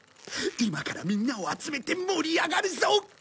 今からみんなを集めて盛り上がるぞ！